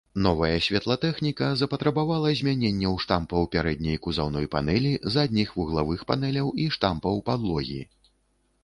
Новая святлатэхніка запатрабавала змяненняў штампаў пярэдняй кузаўной панэлі, задніх вуглавых панэляў і штампаў падлогі.